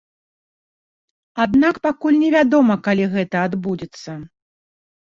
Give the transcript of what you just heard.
Аднак пакуль невядома, калі гэта адбудзецца.